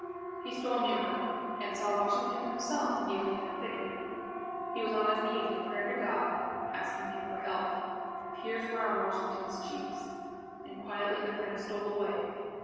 He stole nearer, and saw Washington himself, kneeling in a thicket. He was on his knees in prayer to God asking Him for help. Tears were on Washington's cheeks. And quietly the Friend stole away.